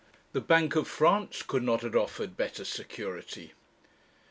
The Bank of France could not have offered better security.